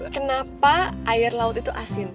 kenapa air laut itu asin